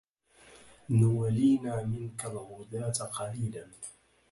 نولِينا منك الغداة قليلا